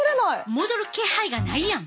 戻る気配がないやん。